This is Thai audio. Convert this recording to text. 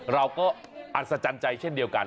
เราก็อัศจรรย์ใจเช่นเดียวกัน